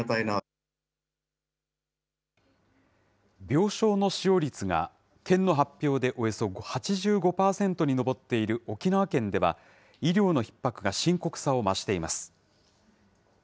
病床の使用率が県の発表でおよそ８５％に上っている沖縄県では、医療のひっ迫が深刻さを増しています。